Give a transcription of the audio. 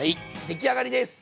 出来上がりです！